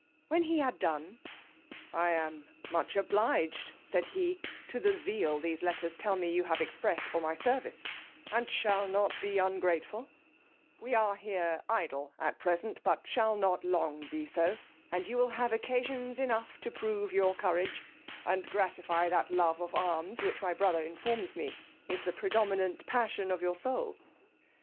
When he had done, I am much obliged, said he, to the zeal these letters tell me you have expressed for my service, and shall not be ungrateful: we are here idle at present but shall not long be so; and you will have occasions enough to prove your courage, and gratify that love of arms which, my brother informs me, is the predominant passion of your soul.